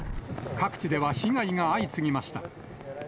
各地では被害が相次ぎました。